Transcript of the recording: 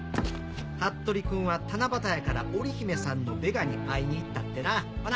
服部君は七夕やから織り姫さんのベガに会いに行ったってなほな。